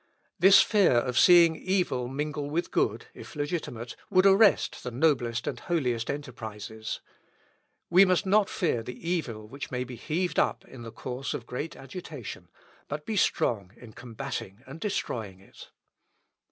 This fear of seeing evil mingle with good, if legitimate, would arrest the noblest and holiest enterprises. We must not fear the evil which may be heaved up in the course of great agitation, but be strong in combating and destroying it.